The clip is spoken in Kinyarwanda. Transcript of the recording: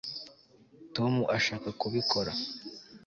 tom ashaka kubikora